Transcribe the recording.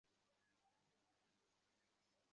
সত্যিই, আপনি দেখবেন শান্তি জী।